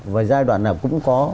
và giai đoạn nào cũng có